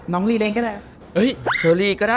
น้องรีเรนก็ได้